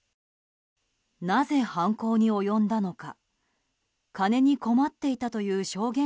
なぜ犯行に及んだのか。